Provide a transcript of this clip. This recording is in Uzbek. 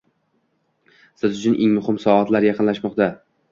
Siz uchun eng muhim soatlar yaqinlashmoqda